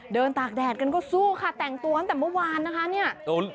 ตากแดดกันก็สู้ค่ะแต่งตัวตั้งแต่เมื่อวานนะคะเนี่ย